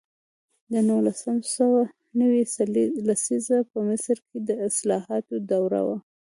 د نولس سوه نوي لسیزه په مصر کې د اصلاحاتو دوره وه.